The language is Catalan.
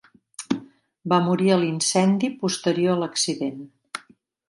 Va morir a l'incendi posterior a l'accident.